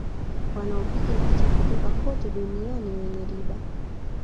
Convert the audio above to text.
Wanaopiga picha kutoka kote duniani wenye riba